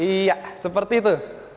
iya seperti itu